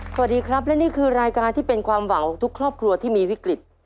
สวัสดีครับและนี่คือรายการที่เป็นความหวังของทุกครอบครัวที่มีวิกฤต